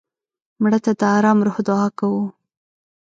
مړه ته د ارام روح دعا کوو